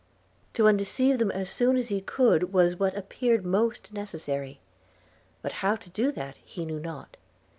To undeceive them as soon as he could was what appeared most necessary; but how to do that he knew not.